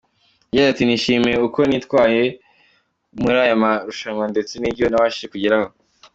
Yagize ati ‘‘Nishimiye uko nitwaye muri aya marushanwa ndetse n’ibyo nabashije kugeraho.